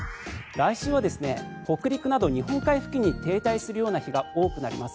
来週は北陸など日本海付近に停滞する日が多くなります。